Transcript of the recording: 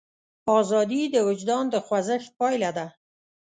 ازادي د وجدان د خوځښت پایله ده.